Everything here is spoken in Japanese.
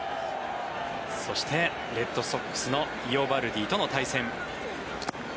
そして、レッドソックスのイオバルディとの対戦。